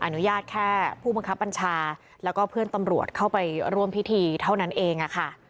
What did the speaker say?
อนุญาตแค่ผู้บังคับบัญชาแล้วก็เพื่อนตำรวจเข้าไปร่วมพิธีเท่านั้นเองค่ะ